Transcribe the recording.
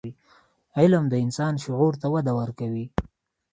علم د انسان شعور ته وده ورکوي.